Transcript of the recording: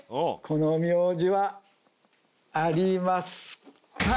この名字はありますか？